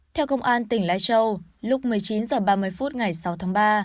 theo công an tỉnh lai châu lúc một mươi chín h ba mươi phút ngày sáu tháng ba